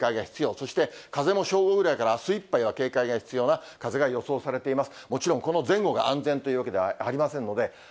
そして風も正午ぐらいからあすいっぱいは警戒が必要な風が予想されています。